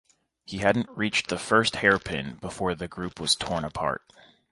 He hadn't reached the first hairpin before the group was torn apart.